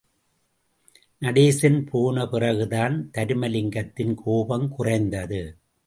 நடேசன் போன பிறகுதான் தருமலிங்கத்தின் கோபம் குறைந்தது.